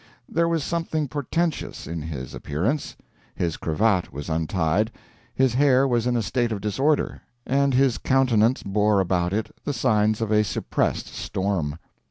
There was something portentous in his appearance. His cravat was untied, his hair was in a state of disorder, and his countenance bore about it the signs of a suppressed storm.